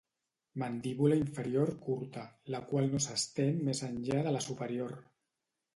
Mandíbula inferior curta, la qual no s'estén més enllà de la superior.